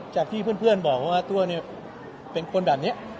จากที่เพื่อนบอกว่าตัวเนี่ยเป็นคนแบบนี้